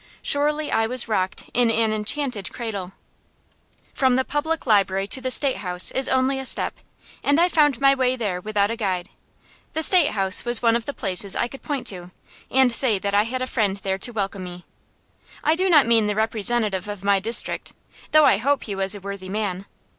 Surely I was rocked in an enchanted cradle. [Illustration: BATES HALL, WHERE I SPENT MY LONGEST HOURS IN THE LIBRARY] From the Public Library to the State House is only a step, and I found my way there without a guide. The State House was one of the places I could point to and say that I had a friend there to welcome me. I do not mean the representative of my district, though I hope he was a worthy man.